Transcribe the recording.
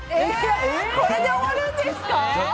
これで終わるんですか？